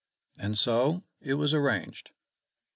And so it was arranged.